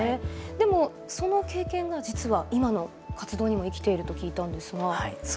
でもその経験が実は今の活動にも生きていると聞いたんですが。